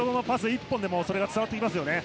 １本でもそれが伝わってきますね。